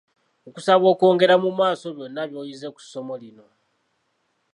Nkusaba okwongera mu maaso byonna by'oyize mu ssomo lino.